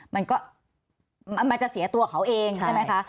มันจะเสียตัวเขาเองใช่ไหมคะ